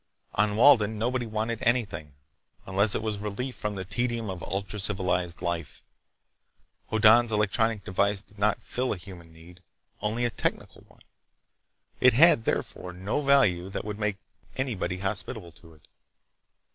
On Walden nobody wanted anything, unless it was relief from the tedium of ultra civilized life. Hoddan's electronic device did not fill a human need; only a technical one. It had, therefore, no value that would make anybody hospitable to it.